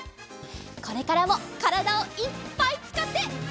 これからもからだをいっぱいつかって。